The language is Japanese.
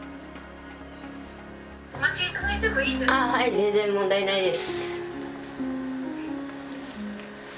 全然問題ないです。